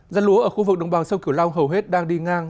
rán lúa ở khu vực đồng bằng sông kiểu long hầu hết đang đi ngang